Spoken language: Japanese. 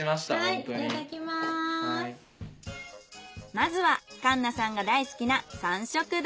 まずはかんなさんが大好きな３色丼。